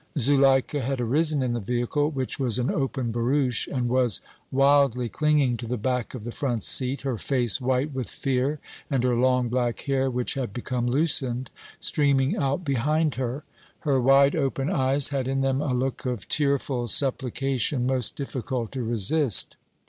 Zuleika had arisen in the vehicle, which was an open barouche, and was wildly clinging to the back of the front seat, her face white with fear and her long black hair, which had become loosened, streaming out behind her. Her wide open eyes had in them a look of tearful supplication most difficult to resist.